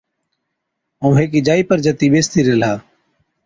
ائُون هيڪِي جائِي پر جتِي ٻيستِي ريهلا۔